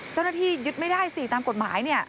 เจ้าหน้าที่ยึดไม่ได้สิตามกฎหมายเนี่ย